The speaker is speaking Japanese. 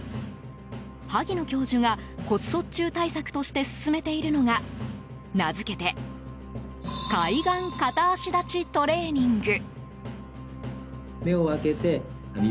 萩野教授が骨卒中対策として勧めているのが名付けて開眼片足立ちトレーニング。